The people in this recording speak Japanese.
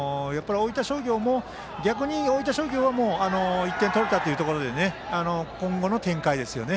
逆に大分商業は１点取れたというところで今後の展開ですよね。